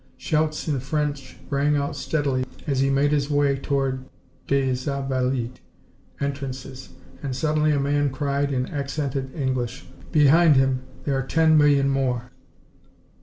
Shouts in French rang out steadily as he made his way toward des Invalides' entrances, and suddenly a man cried, in accented English: "Behind him there are ten million more."